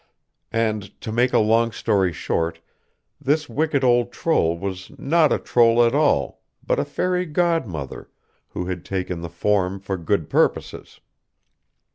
And, to make a long story short, this wicked old troll was not a troll at all, but a fairy godmother, who had taken the form for good purposes.